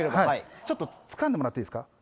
ちょっとつかんでもらっていいですか？